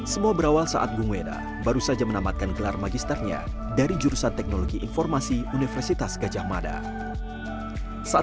semua berawal saat gung weda baru saja menamatkan gelar magisternya dari jurusan teknologi informasi universitas gajah mada saat